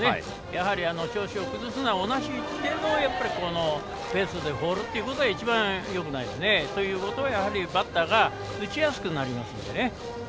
やはり、調子を崩すのは同じペースでボールを放るのが一番よくないですね。ということはバッターが打ちやすくなりますので。